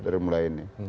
dari mulai ini